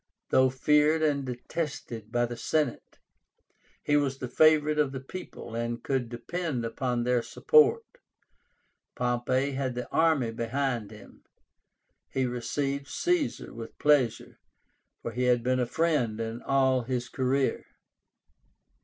Though feared and detested by the Senate, he was the favorite of the people, and could depend upon their support. Pompey had the army behind him. He received Caesar with pleasure, for he had been a friend in all his career.